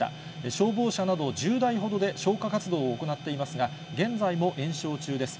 消防車など１０台ほどで消火活動を行っていますが、現在も延焼中です。